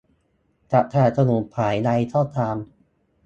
จะสนับสนุนฝ่ายใดก็ตาม